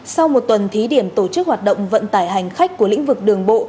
sau một tuần thí điểm tổ chức hoạt động vận tải hành khách của lĩnh vực đường bộ